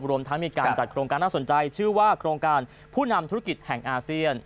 รวมทั้งมีการจัดโครงการน่าสนใจชื่อว่าโครงการผู้นำธุรกิจแห่งอาเซียน